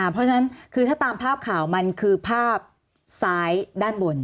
เพราะฉะนั้นคือถ้าตามภาพข่าวมันคือภาพซ้ายด้านบน